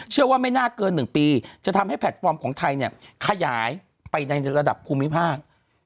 ไม่น่าเกิน๑ปีจะทำให้แพลตฟอร์มของไทยเนี่ยขยายไปในระดับภูมิภาค